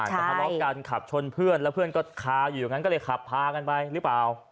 ทะเลาะกันขับชนเพื่อนแล้วเพื่อนก็คาอยู่อย่างนั้นก็เลยขับพากันไปหรือเปล่า